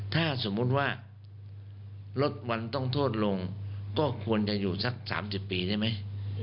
ถ้าสมมุติว่าลดวันต้องโทษลงก็ควรจะอยู่สัก๓๐ปีได้ไหม